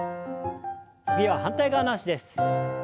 次は反対側の脚です。